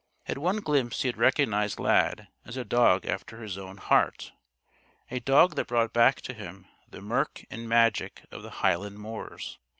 At one glimpse he had recognized Lad as a dog after his own heart a dog that brought back to him the murk and magic of the Highland moors.